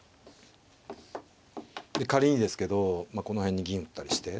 で仮にですけどこの辺に銀打ったりして。